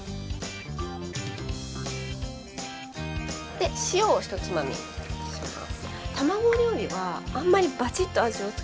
で塩を１つまみします。